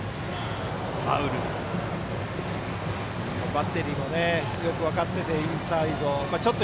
バッテリーもよく分かっててインサイドちょっと